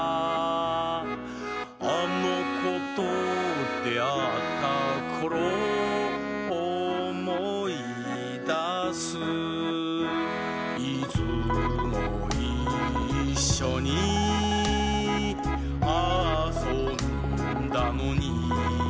「あのことであったころおもいだす」「いつもいっしょに」「あそんだのに」